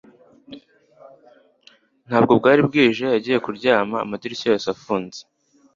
Nubwo bwari bwije, yagiye kuryama amadirishya yose afunze.